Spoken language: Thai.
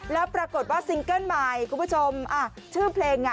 แล้วปรากฏว่าซิงเกิ้ลใหม่คุณผู้ชมอ่ะชื่อเพลงอ่ะ